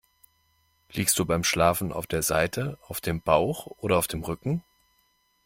Liegst du beim Schlafen auf der Seite, auf dem Bauch oder auf dem Rücken?